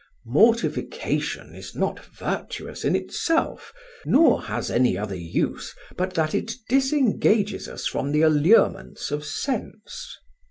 Mortification is not virtuous in itself, nor has any other use but that it disengages us from the allurements of sense.